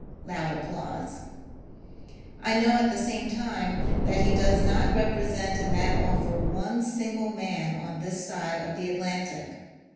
(Loud applause.) I know at the same time that he does not represent in that offer one single ' man on this side of the Atlantic.